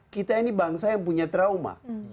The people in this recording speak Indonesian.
kita ini bangsa yang punya trauma